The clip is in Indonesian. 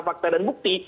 fakta dan bukti